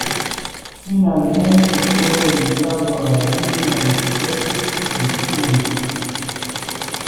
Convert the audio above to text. Finalmente fue enviado a la línea del frente en julio.